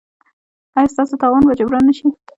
ایا ستاسو تاوان به جبران نه شي؟